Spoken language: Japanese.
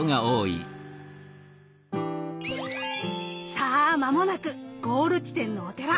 さあまもなくゴール地点のお寺。